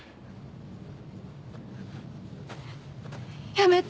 やめて。